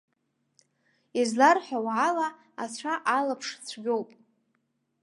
Изларҳәауа ала, ацәа алаԥш цәгьоуп.